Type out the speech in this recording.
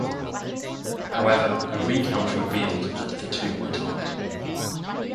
However, a recount revealed that the two were tied.